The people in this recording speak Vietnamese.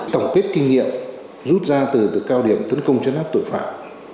tổng kết kinh nghiệm rút ra từ cao điểm tấn công chấn áp tội phạm